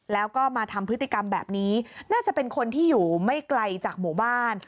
แล้วก็มาทำพฤติกรรมแบบนี้น่าจะเป็นคนที่อยู่ไม่ไกลจากหมู่บ้าน